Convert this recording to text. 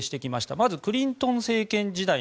まずクリントン政権時代